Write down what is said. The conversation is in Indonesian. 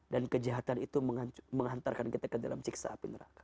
dan kejahatan itu mengantarkan kita ke dalam ciksa api neraka